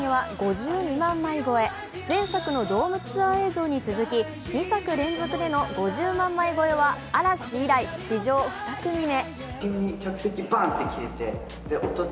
初週売り上げは５２万枚超え、前作のドームツアーに続き２作連続での５０万枚超えは嵐以来、史上２組目。